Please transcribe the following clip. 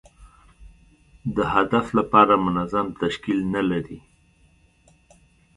د هدف لپاره منظم تشکیل نه لري.